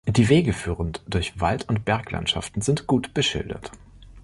Die Wege führend durch Wald- und Berglandschaften und sind gut beschildert.